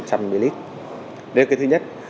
đấy là cái thứ nhất